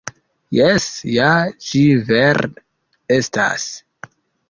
Jes, ja, ĝi vere estas!